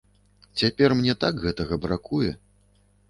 Цяпер мне так гэтага бракуе.